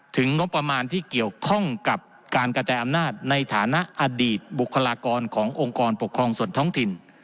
งบประมาณที่เกี่ยวข้องกับการกระจายอำนาจในฐานะอดีตบุคลากรขององค์กรปกครองส่วนท้องถิ่น